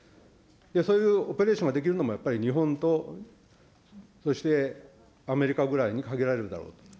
そういうオペレーションができるのもやっぱり日本とそしてアメリカぐらいに限られるだろうと。